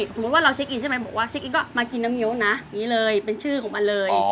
สมมุติว่าเราเช็คอินใช่ไหมบอกว่าเช็คอินก็มากินน้ำเงี้ยวนะอย่างนี้เลยเป็นชื่อของมันเลย